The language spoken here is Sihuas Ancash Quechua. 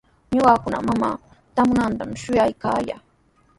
Ñuqakuna mamaa traamunantami shuyaykaayaa.